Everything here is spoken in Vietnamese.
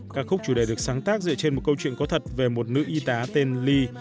các khúc chủ đề được sáng tác dựa trên một câu chuyện có thật về một nữ y tá tên li